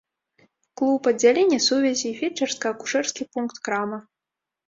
Клуб, аддзяленне сувязі, фельчарска-акушэрскі пункт, крама.